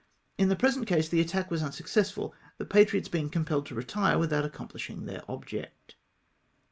In the present case the attack was unsuccessful, the patriots being compelled to retire without accomplishing their object.